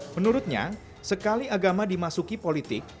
menurutnya sekali agama dimasuki politik